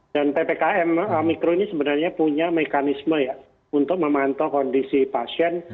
dan ppkm mikro ini sebenarnya punya mekanisme ya untuk memantau kondisi pasien